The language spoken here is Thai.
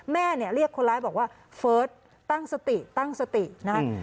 แม่เนี่ยเรียกคนร้ายบอกว่าเฟิร์สตั้งสติตั้งสตินะครับ